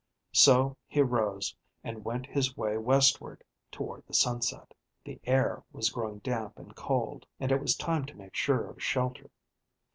So he rose and went his way westward toward the sunset. The air was growing damp and cold, and it was time to make sure of shelter.